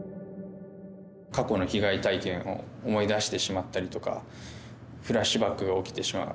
過去の被害体験を思い出してしまったりだとか、フラッシュバックが起きてしまう。